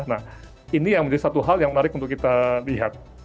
nah ini yang menjadi satu hal yang menarik untuk kita lihat